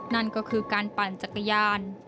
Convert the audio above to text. นั่นก็คือการปั่นจักรยาน